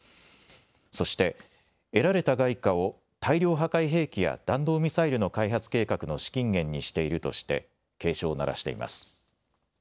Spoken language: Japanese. そして得られた外貨を大量破壊兵器や弾道ミサイルの開発計画の資金源にしているとして警鐘を鳴らしています。